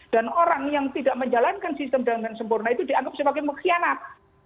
dan orang yang tidak menjalankan sistem dalamnya sempurna itu dianggap sebagai mengkhianat